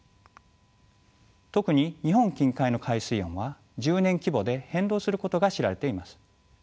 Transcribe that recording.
特に日本近海の海水温は１０年規模で変動することが知られています。